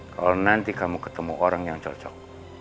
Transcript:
kalau nanti kamu ketemu orang yang cocok